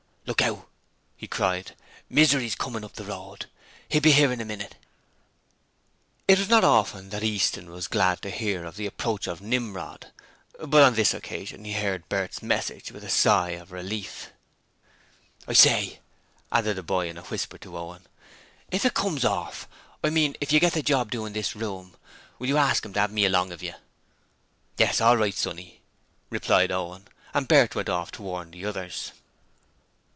'Look out!' he cried, 'Misery's comin' up the road. 'E'll be 'ere in a minit.' It was not often that Easton was glad to hear of the approach of Nimrod, but on this occasion he heard Bert's message with a sigh of relief. 'I say,' added the boy in a whisper to Owen, 'if it comes orf I mean if you gets the job to do this room will you ask to 'ave me along of you?' 'Yes, all right, sonny,' replied Owen, and Bert went off to warn the others.